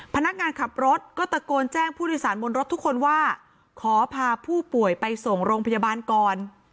พนักงานขับรถก็ตะโกนแจ้งผู้โดยสารบนรถทุกคนว่าขอพาผู้ป่วยไปส่งโรงพยาบาลก่อน